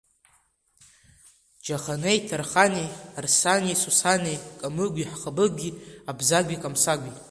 Џьаханеи Ҭарханеи, Арсанеи Сусанеи, Камыгәи Хабыгәи, Абзагәи Камсагәи…